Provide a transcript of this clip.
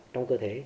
trong cơ thể